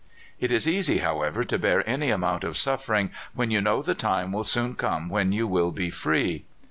It is easy, however, to bear any amount of suffering when you know the time will soon come when you will be free.